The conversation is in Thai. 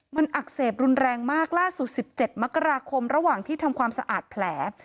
มันอักเสบรุนแรงมากล่าสุด๑๗มกราคมระหว่างที่ทำความสะอาดแผล